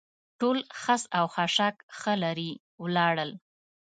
ټول خس او خاشاک ښه لرې ولاړل.